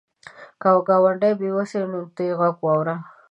که ګاونډی بې وسه وي، ته یې غږ واوره